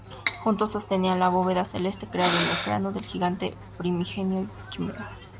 Juntos, sostenían la bóveda celeste, creado con el cráneo del gigante primigenio Ymir.